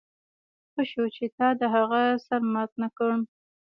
ښه شو چې تا د هغه سر مات نه کړ